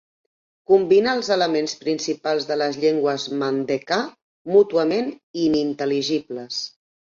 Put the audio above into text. Combina els elements principals de les llengües mandenkà mútuament inintel·ligibles.